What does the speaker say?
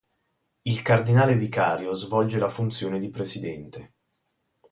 Il Cardinale vicario svolge la funzione di presidente.